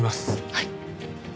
はい。